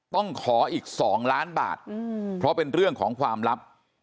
ต้องขออีก๒ล้านบาทเพราะเป็นเรื่องของความลับ